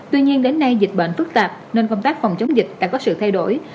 tuy nhiên đến nay dịch bệnh phức tạp nên công tác phòng chống dịch đã có sự thay đổi